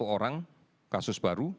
satu ratus satu orang kasus baru